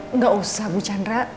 eh gak usah bu chandra